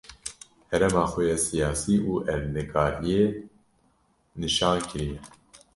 herêma xwe ya siyasî û erdnigariyê nişan kiriye.